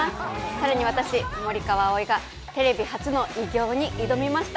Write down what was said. さらに私、森川葵がテレビ初の偉業に挑みました。